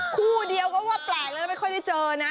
คู่เดียวก็ว่าแปลกแล้วไม่ค่อยได้เจอนะ